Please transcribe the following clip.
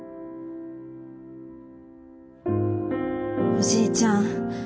おじいちゃん。